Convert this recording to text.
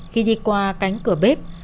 khi đi qua cánh cửa bếp